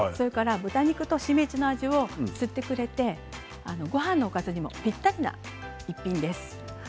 豚肉としめじの味も吸ってくれてごはんのおかずにぴったりな一品です。